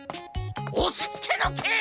おしつけのけい！